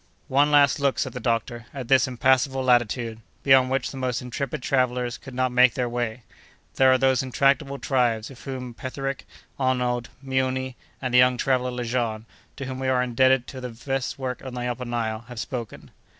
"One last look," said the doctor, "at this impassable latitude, beyond which the most intrepid travellers could not make their way. There are those intractable tribes, of whom Petherick, Arnaud, Miuni, and the young traveller Lejean, to whom we are indebted for the best work on the Upper Nile, have spoken."